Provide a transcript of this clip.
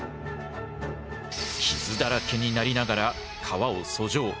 傷だらけになりながら川を遡上。